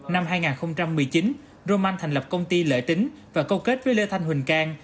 năm hai nghìn một mươi chín roman thành lập công ty lợi tính và câu kết với lê thanh huỳnh cang